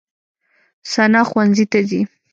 ثنا ښوونځي ته ځي.